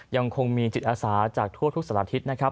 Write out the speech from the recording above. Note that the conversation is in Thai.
ยังคงมีจิตอาศาจากทั่วทุกสัตว์อาทิตย์นะครับ